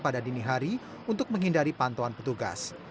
pada dini hari untuk menghindari pantauan petugas